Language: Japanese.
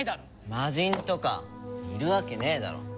魔人とかいるわけねえだろ。